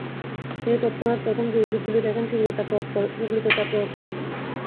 তিনি তৎক্ষণাত প্রথম যে উদ্ভিদগুলি দেখেন সেগুলিতে তা প্রয়োগ করেন।